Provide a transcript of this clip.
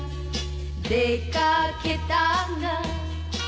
「出掛けたが」